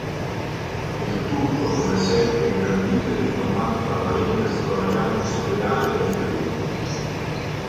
Il tutto, come sempre, ingrandito e deformato dalla lente stravagante e surreale del trio.